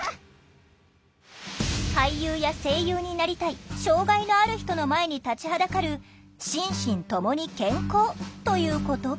俳優や声優になりたい障害のある人の前に立ちはだかる「心身ともに健康」という言葉。